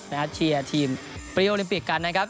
เชียร์ทีมปรีโอลิมปิกกันนะครับ